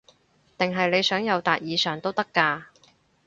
定係你想友達以上都得㗎